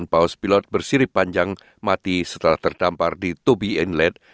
dua puluh delapan paus pilot bersirip panjang mati setelah terdampar di tubi inlet